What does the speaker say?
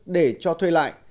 để cho thuê lại